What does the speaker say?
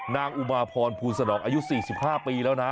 อุมาพรภูลสนองอายุ๔๕ปีแล้วนะ